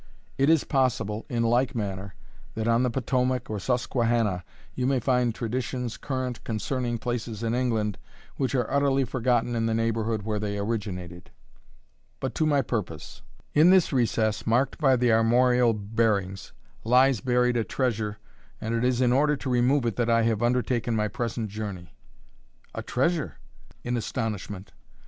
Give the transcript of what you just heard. It is possible, in like manner, that on the Potomac or Susquehannah, you may find traditions current concerning places in England, which are utterly forgotten in the neighbourhood where they originated. But to my purpose. In this recess, marked by the armorial bearings, lies buried a treasure, and it is in order to remove it that I have undertaken my present journey." "A treasure!" echoed I, in astonishment.